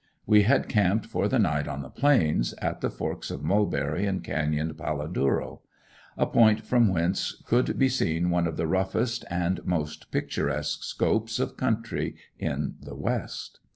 We had camped for the night on the plains, at the forks of Mulberry and Canyon Paladuro; a point from whence could be seen one of the roughest and most picturesque scopes of country in the west.